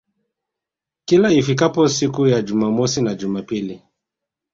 Kila ifikapo siku za Jumamosi na Jumapili